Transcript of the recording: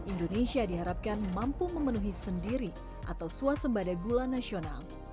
indonesia diharapkan mampu memenuhi sendiri atau suasembada gula nasional